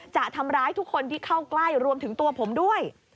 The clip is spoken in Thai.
จะทำร้ายทุกคนที่เข้าใกล้รวมถึงตัวผมด้วย